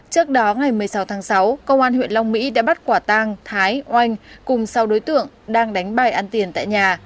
trước đó ngày một mươi sáu tháng sáu công an huyện long mỹ đã bắt quả tang thái oanh cùng sau đối tượng đang đánh bài ăn tiền tại nhà